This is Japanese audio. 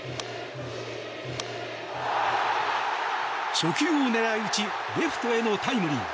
初球を狙い打ちレフトへのタイムリー。